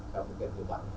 cảm ơn các bạn